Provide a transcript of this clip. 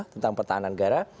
tentang pertahanan negara